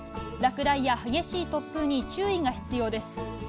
落雷や激しい突風に注意が必要です。